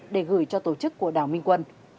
để gửi cho tổ chức của đào minh quân